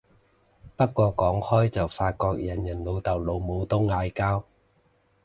不過講開就發覺人人老豆老母都嗌交